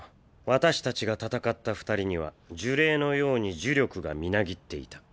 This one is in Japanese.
私たちが戦った二人には呪霊のように呪力がみなぎっていた。